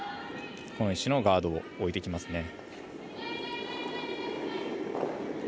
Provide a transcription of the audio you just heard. この石のガードを置いてきます。